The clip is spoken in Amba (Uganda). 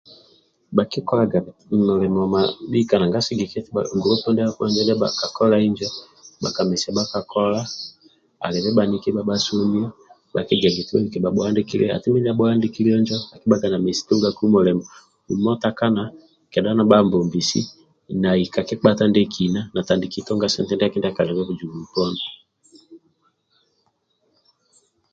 Bhakikikolaga mulimo mabhika nanga sigikilia eti gulupu ndiabho ndia njo ndia bhakakolai injo bhakamesia bhakakola alibe bhaniki ndibha bhasomio bhakigiaga eti bhabike bhabhuhandikile hati mindia abhuhandikilio njo akibhaga namesi tungaku mulimo uma okutakana kedha nibhambombisi nai ka kipkata ndie kina ndia kalibe kizibu uponi